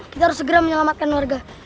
kita harus segera menyelamatkan warga